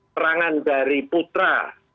perangan dari putra